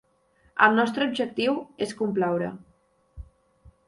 El nostre objectiu és complaure